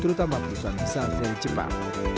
terutama perusahaan besar yang cepat